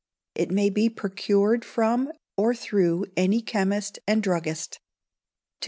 It may be procured from or through any chemist and druggist. 2326.